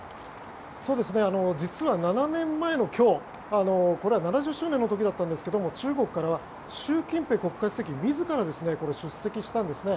実は、７年前の今日７０周年の時だったんですけれども中国からは習近平国家主席自ら出席したんですね。